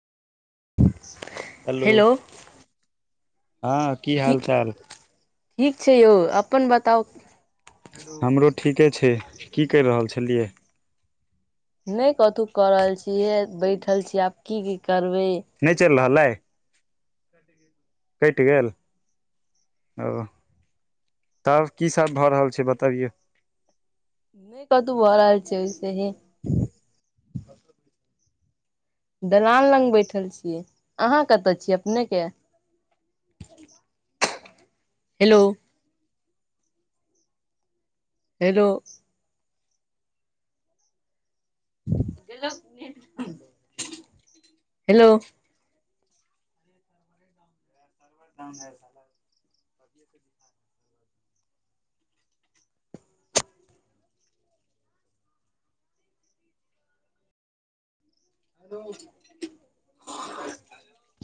[inaudible] hello हँ की हाल चाल ठीक छै यौ अपन बताउ हमरो ठीके छै की करि रहल छलियै नय कथू कऽ रहल छीयै इहे बैठल छीयै आब की की करबै नय चलि रहल अइ कटि गेल ओ तब की सब भऽ रहल छै बतबियौ नय कतहु भऽ रहल छै ऐसे ही ह दलान लग बैठल छियै अहाँ कतऽ छीयै अपने के हेलो हेलो हेलो हम [inaudible] बो